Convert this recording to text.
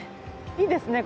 いいですね